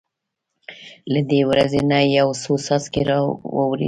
له دې وریځې نه یو څو څاڅکي را وورېدل.